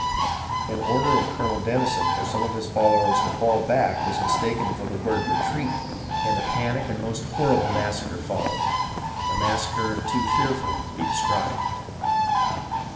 An order of Colonel Denison for some of his followers to fall back was mistaken for the word " retreat," and a SULLIVAN'S EXPEDITION 253 panic and most horrible massacre followed, — a massacre too fearful to be described.